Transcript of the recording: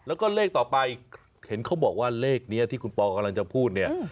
แล้วก็เลขต่อไปเห็นเขาบอกว่าเลขนี้ที่คุณปอกำลังจะพูดเนี่ย